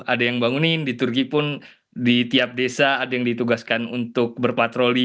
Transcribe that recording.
ada yang bangunin di turki pun di tiap desa ada yang ditugaskan untuk berpatroli